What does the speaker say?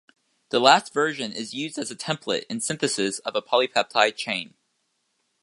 The last version is used as a template in synthesis of a polypeptide chain.